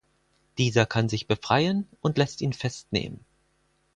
Dieser kann sich befreien und lässt ihn festnehmen.